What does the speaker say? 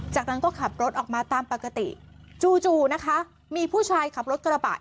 จากนั้นก็ขับรถออกมาตามปกติจู่นะคะมีผู้ชายขับรถกระบะ